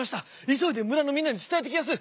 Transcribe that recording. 急いで村のみんなに伝えてきやす！